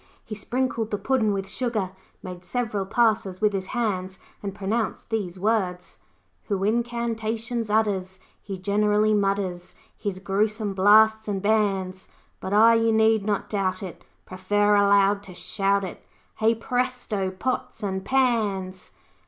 He sprinkled the Puddin' with sugar, made several passes with his hands, and pronounced these words 'Who incantations utters He generally mutters His gruesome blasts and bans But I, you need not doubt it, Prefer aloud to shout it, Hey, Presto! Pots and Pans.'